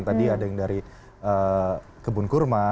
tadi ada yang dari kebun kurma